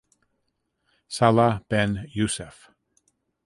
Salah Ben Youssef.